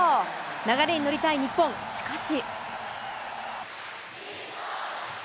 流れに乗りたい日本、しかし。